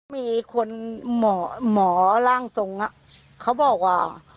มีคนหมอร่างทรงเขาบอกว่า